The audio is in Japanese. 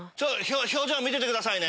表情見ててくださいね。